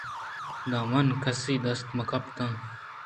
داں من کسّی دست ءَ مہ کپاں